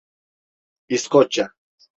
İskoçya…